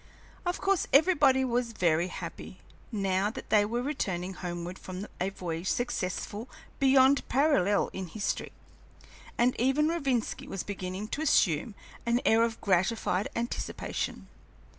Of course everybody was very happy, now that they were returning homeward from a voyage successful beyond parallel in history, and even Rovinski was beginning to assume an air of gratified anticipation.